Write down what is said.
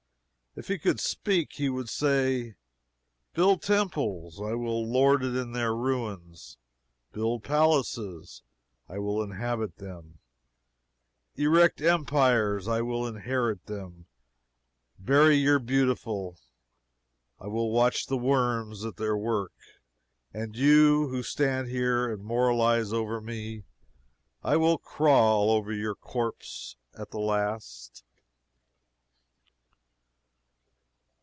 If he could speak, he would say, Build temples: I will lord it in their ruins; build palaces: I will inhabit them; erect empires: I will inherit them; bury your beautiful: I will watch the worms at their work; and you, who stand here and moralize over me: I will crawl over your corpse at the last.